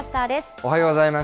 おはようございます。